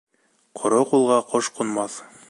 Ҡоро ҡулға ҡош ҡунмаҫ.